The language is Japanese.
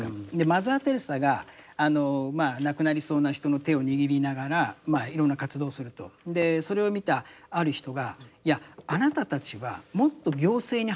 マザー・テレサが亡くなりそうな人の手を握りながらいろんな活動をすると。それを見たある人がいやあなたたちはもっと行政に働きかけるべきだって。